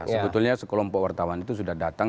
sebetulnya sekelompok wartawan itu sudah datang